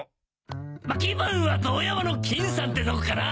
ま気分は遠山の金さんってとこかな！